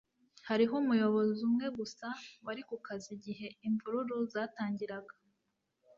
Hariho umuyobozi umwe gusa wari ku kazi igihe imvururu zatangiraga